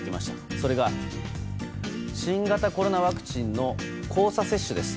それが新型コロナワクチンの交差接種です。